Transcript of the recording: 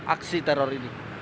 aksi teror ini